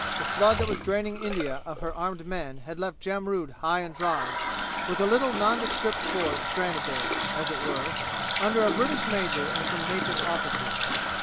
The flood that was draining India of her armed men had left Jamrud high and dry with a little nondescript force stranded there, as it were, under a British major and some native officers.